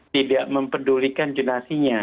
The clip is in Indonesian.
tidak mempedulikan jurnasinya